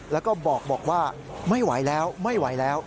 แล้วก็บอกว่าไม่ไหวแล้วไม่ไหวแล้ว